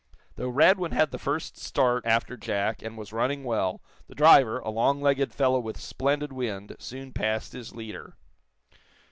Though Radwin had the first start after Jack, and was running well, the driver, a long legged fellow with splendid "wind" soon passed his leader.